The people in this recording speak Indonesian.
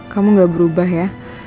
kamu gak berubah ya